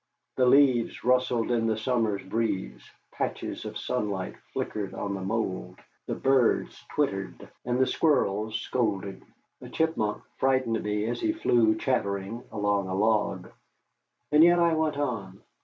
The leaves rustled in the summer's breeze, patches of sunlight flickered on the mould, the birds twittered, and the squirrels scolded. A chipmunk frightened me as he flew chattering along a log. And yet I went on.